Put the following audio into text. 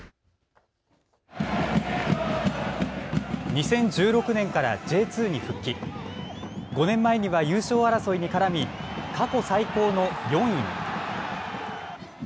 ２０１６年からＪ２に復帰、５年前には優勝争いに絡み過去最高の４位に。